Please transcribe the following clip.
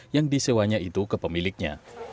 yang disewanya itu ke pemiliknya